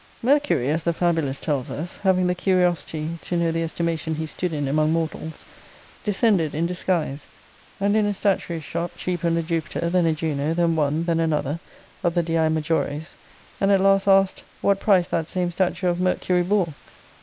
Mercury, as the fabulist tells us, having the curiosity to know the estimation he stood in among mortals, descended in disguise, and in a statuary's shop cheapened a Jupiter, then a Juno, then one, then another, of the dii majores; and, at last, asked, What price that same statue of Mercury bore?